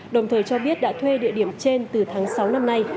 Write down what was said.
đồng thời cho biết đã thuê địa điểm trên từ tháng sáu năm nay